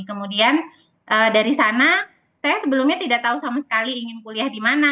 kemudian dari sana saya sebelumnya tidak tahu sama sekali ingin kuliah di mana